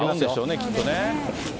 きっとね。